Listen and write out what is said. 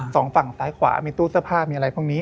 สองฝั่งซ้ายขวามีตู้เสื้อผ้ามีอะไรพวกนี้